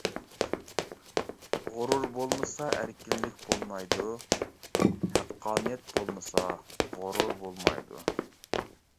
غۇرۇر بولمىسا ئەركىنلىك بولمايدۇ، ھەققانىيەت بولمىسا غۇرۇر بولمايدۇ.